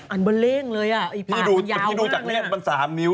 อันบะเร้งเลยปากมันยาวมาก